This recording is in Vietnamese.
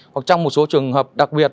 hoặc trong một số trường hợp đặc biệt